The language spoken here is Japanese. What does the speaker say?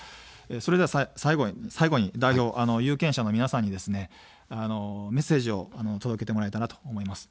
それでは最後に代表、有権者の皆さんにメッセージを届けてもらえたらと思います。